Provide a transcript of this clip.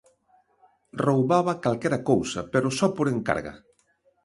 Roubaba calquera cousa pero só por encarga.